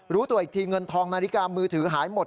รู้ตัวอีกทีเงินทองนาฬิกามือถือหายหมด